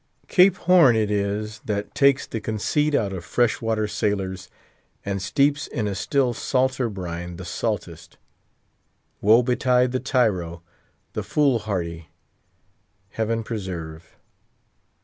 Cape Horn it is that takes the conceit out of fresh water sailors, and steeps in a still salter brine the saltest. Woe betide the tyro; the fool hardy, Heaven preserve!